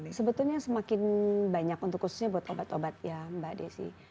sebetulnya semakin banyak untuk khususnya buat obat obat ya mbak desi